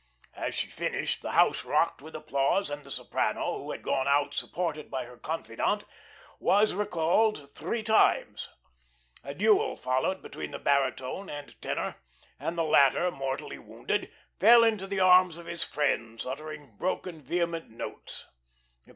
As she finished, the house rocked with applause, and the soprano, who had gone out supported by her confidante, was recalled three times. A duel followed between the baritone and tenor, and the latter, mortally wounded, fell into the arms of his friends uttering broken, vehement notes.